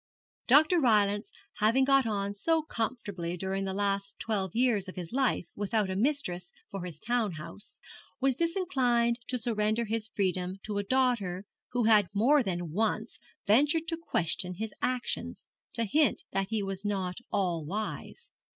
Dr. Rylance having got on so comfortably during the last twelve years of his life without a mistress for his town house, was disinclined to surrender his freedom to a daughter who had more than once ventured to question his actions, to hint that he was not all wise.